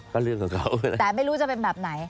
ก็เรื่องของเขาแต่ไม่รู้จะเป็นแบบไหน